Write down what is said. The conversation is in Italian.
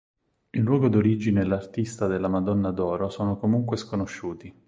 Il luogo di origine e l'artista della Madonna d'Oro sono comunque sconosciuti.